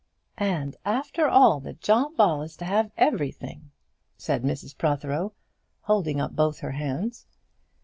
"And, after all, that John Ball is to have everything!" said Mrs Protheroe, holding up both her hands.